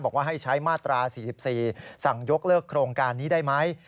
บอกว่าให้ใช้มาตรา๔๔สั่งยกเลิกโครงการนี้ได้ไหม